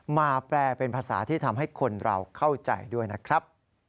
แปลเป็นภาษาที่ทำให้คนเราเข้าใจด้วยนะครับ